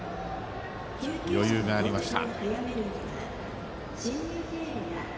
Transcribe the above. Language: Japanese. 余裕がありました。